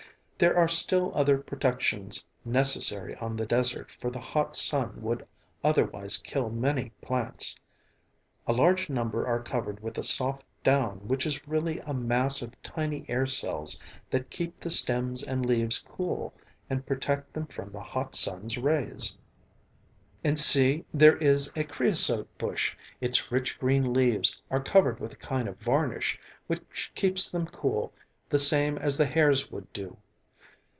There are still other protections necessary on the desert for the hot sun would otherwise kill many plants. A large number are covered with a soft down which is really a mass of tiny air cells that keep the stems and leaves cool and protect them from the hot sun's rays." "And see, there is a creosote bush, its rich green leaves are covered with a kind of varnish which keeps them cool the same as the hairs would do.